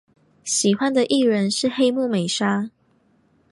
喜欢的艺人是黑木美纱。